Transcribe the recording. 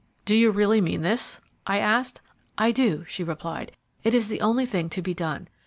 "Do you really mean this?" I asked. "I do," she replied, "it is the only thing to be done.